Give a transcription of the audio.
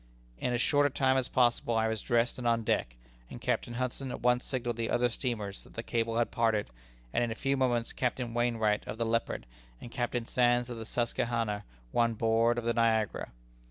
In as short a time as possible I was dressed, and on deck; and Captain Hudson at once signaled the other steamers that the cable had parted, and in a few moments Captain Wainwright, of the Leopard, and Captain Sands, of the Susquehanna, were on board of the Niagara.